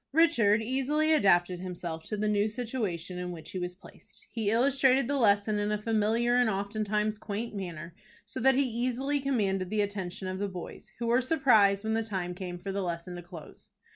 Richard easily adapted himself to the new situation in which he was placed. He illustrated the lesson in a familiar and oftentimes quaint manner, so that he easily commanded the attention of the boys, who were surprised when the time came for the lesson to close.